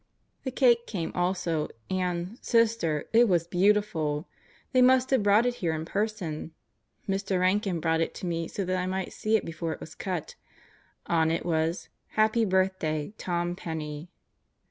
The cake came also, and, Sister, it was beautiful! They must have brought it here in person. Mr. Rankin brought it to me so that I might see it before it was cut. On it was "Happy Birthday Tom Penney."